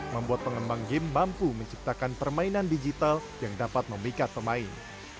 membuat pengembang game mampu menciptakan permainan digital yang dapat memikat pemain